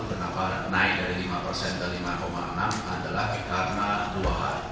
kenapa naik dari lima persen ke lima enam adalah karena dua hal